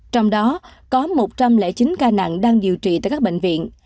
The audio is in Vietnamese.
trong đó có một trăm linh chín ca nặng đang điều trị tại các bệnh viện